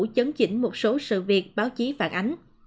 chấn chỉnh một số sự việc báo chí phản ánh